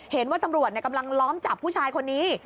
เห็นว่าตำรวจกำลังล้อมจับผู้ชายคนนี้